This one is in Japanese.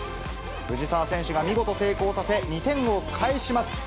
藤澤選手が見事成功させ、２点を返します。